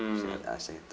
disana aja gitu